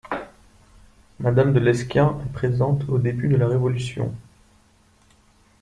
Madame de Lesquen est présente au début de la Révolution.